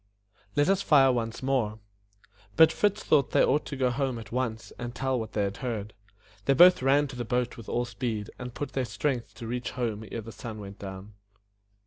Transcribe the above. Let us fire once more." But Fritz thought they ought to go home at once and tell me what they had heard. They both ran to the boat with all speed, and put out their strength to reach home ere the sun went down.